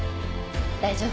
大丈夫。